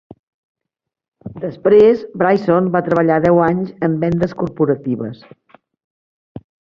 Després, Brison va treballar deu anys en vendes corporatives.